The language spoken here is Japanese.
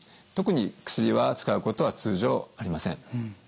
特に薬は使うことは通常ありません。